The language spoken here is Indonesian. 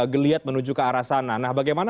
geliat menuju ke arah sana nah bagaimana